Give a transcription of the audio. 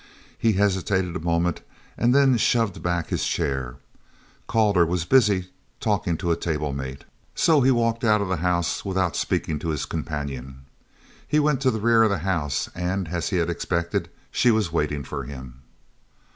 He hesitated a moment and then shoved back his chair. Calder was busy talking to a table mate, so he walked out of the house without speaking to his companion. He went to the rear of the house and as he had expected she was waiting for him.